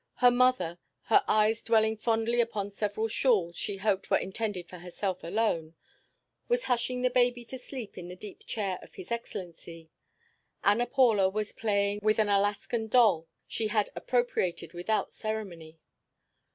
Her mother, her eyes dwelling fondly upon several shawls she hoped were intended for herself alone, was hushing the baby to sleep in the deep chair of his excellency. Ana Paula was playing with an Alaskan doll she had appropriated without ceremony.